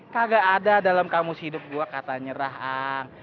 kagak ada dalam kamus hidup gue kata nyerah ang